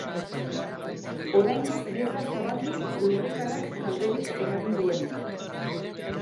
Oraingoz ez da zabaldu lurrikarak kalterik eragin duenik.